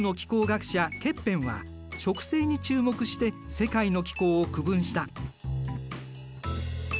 ケッペンは植生に注目して世界の気候を区分した。